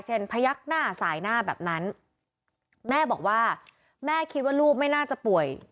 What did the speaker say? พยักหน้าสายหน้าแบบนั้นแม่บอกว่าแม่คิดว่าลูกไม่น่าจะป่วย